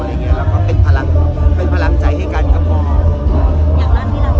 แล้วก็เป็นพลังใจให้กันกับพวกเรา